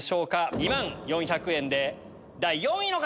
２万４００円で第４位の方！